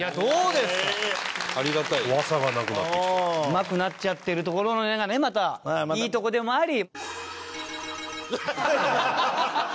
うまくなっちゃってるところがねまたいいとこでもあり。